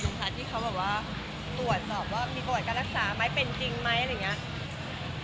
ลุงพระที่เขาบอกว่าตรวจสอบว่ามีโปรดการรักษาไหมเป็นจริงไหมอะไรอย่างนี้